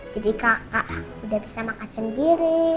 jadi kakak udah bisa makan sendiri